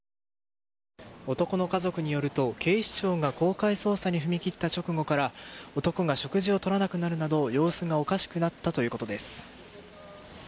男の家族によると警視庁が公開捜査に踏み切った直後から男が食事を取らなくなるなど様子がおかしくなったということです。